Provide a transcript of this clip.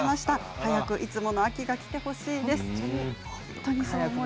早くいつもの秋がきてほしいです。